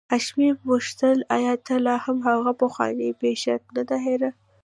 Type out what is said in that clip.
حشمتي وپوښتل آيا تا لا هم هغه پخوانۍ پيښه نه ده هېره.